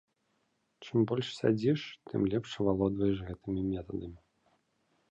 Чым больш сядзіш, тым лепш авалодваеш гэтымі метадамі.